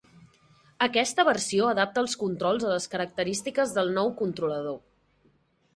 Aquesta versió adapta els controls a les característiques del nou controlador.